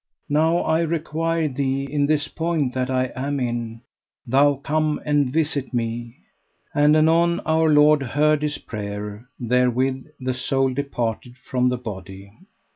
Now I require thee, in this point that I am in, thou come and visit me. And anon Our Lord heard his prayer: therewith the soul departed from the body.